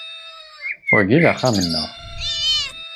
Wagi d axxam-nneɣ.